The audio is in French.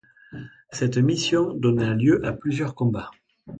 Cette mission donna lieu à plusieurs combats.